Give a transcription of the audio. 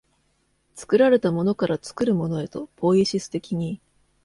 作られたものから作るものへと、ポイエシス的に、